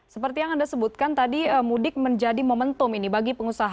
seperti yang anda sebutkan tadi mudik menjadi momentum ini bagi pengusaha